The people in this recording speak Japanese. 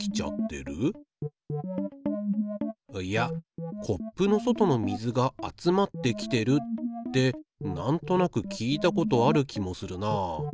いやコップの外の水が集まってきてるってなんとなく聞いたことある気もするな。